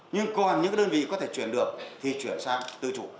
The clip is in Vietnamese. nhưng còn những đơn vị có thể chuyển được thì chuyển sang tư chủ